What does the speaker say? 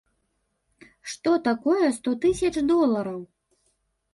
Што такое сто тысяч долараў?